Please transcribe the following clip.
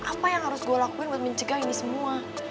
apa yang harus gue lakuin buat mencegah ini semua